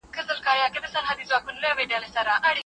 ټکنالوژي د ژوند اسانتیا برابروي.